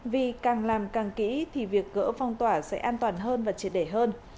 vì càng làm càng kỹ thì việc gỡ phong tỏa sẽ an toàn hơn và triệt để hơn